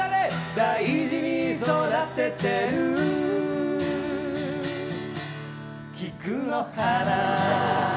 大事に育ててる菊の花。